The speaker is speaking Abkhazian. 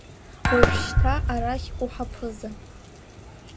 Уажәшьҭа арахь уҳаԥыза!